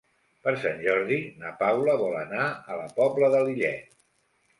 Per Sant Jordi na Paula vol anar a la Pobla de Lillet.